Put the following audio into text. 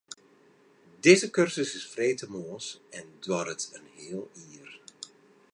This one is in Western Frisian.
Dizze kursus is freedtemoarns en duorret in heal jier.